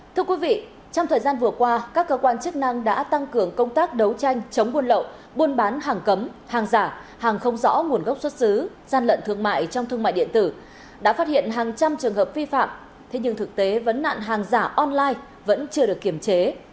thưa quý vị trong thời gian vừa qua các cơ quan chức năng đã tăng cường công tác đấu tranh chống buôn lậu buôn bán hàng cấm hàng giả hàng không rõ nguồn gốc xuất xứ gian lận thương mại trong thương mại điện tử đã phát hiện hàng trăm trường hợp vi phạm thế nhưng thực tế vấn nạn hàng giả online vẫn chưa được kiểm chế